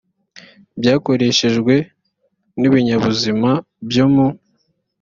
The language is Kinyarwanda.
byakoreshejwe n ibinyabuzima byo mu